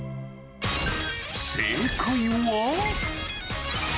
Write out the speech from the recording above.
正解は。